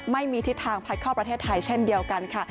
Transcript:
ไม่มีทิศทางพัดเข้าประเทศไทยเช่นเดียวกันค่ะ